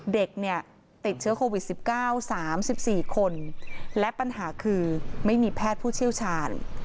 เด็กเนี่ยติดเชื้อโควิด๑๙๓๔คนและปัญหาคือไม่มีแพทย์ผู้เชี่ยวชาญ